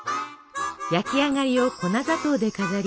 焼き上がりを粉砂糖で飾り